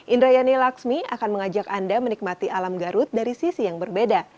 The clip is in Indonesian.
indrayani laksmi akan mengajak anda menikmati alam garut dari sisi yang berbeda